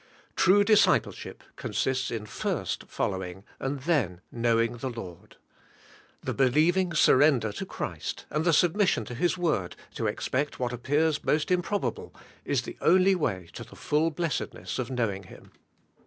True dis cipleship consists m first following, and then knowing THROUGH THE HOLY SPIRIT. 131 the Lord. The believing surrender to Christ, and the submission to His word to expect what appears most improbable, is the only way to the full blessed ness of knowing Him.